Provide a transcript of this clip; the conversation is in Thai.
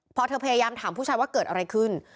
พอเธอพยายามถามผู้ชายว่าเกิดอะไรขึ้น